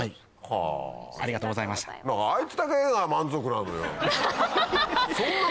はい。